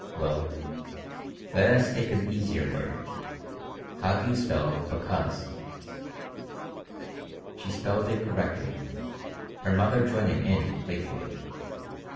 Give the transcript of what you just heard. Well, let us take an easier word. How do you spell 'because'?" She spelled it correctly, her mother joining in playfully.